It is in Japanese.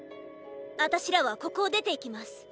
あたしらはここを出ていきます。